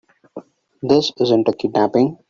This isn't a kidnapping.